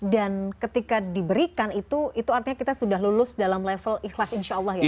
dan ketika diberikan itu itu artinya kita sudah lulus dalam level ikhlas insya allah ya